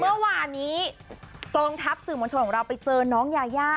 เมื่อวานนี้กองทัพสื่อมวลชนของเราไปเจอน้องยายา